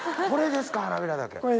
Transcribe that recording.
これです。